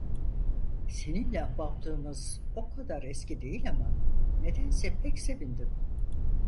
Seninle ahbaplığımız o kadar eski değil ama, nedense pek sevindim.